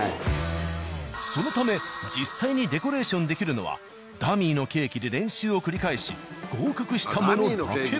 そのため実際にデコレーションできるのはダミーのケーキで練習を繰り返し合格した者だけ。